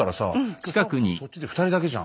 そっちで２人だけじゃん。